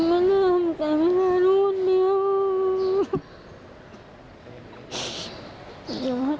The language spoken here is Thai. ทำไมคุณต้องสัญญาว่าจะมาอยู่ด้วยกันครับ